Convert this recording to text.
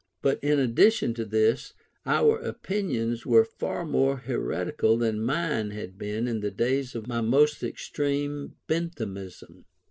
But in addition to this, our opinions were far more heretical than mine had been in the days of my most extreme Benthamism.